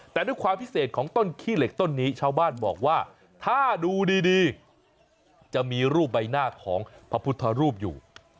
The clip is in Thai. แต่ด้วยความพิเศษของต้นขี้เหล็กต้นนี้ชาวบ้านบอกว่าถ้าดูดีจะมีรูปใบหน้าของพระพุทธรูปอยู่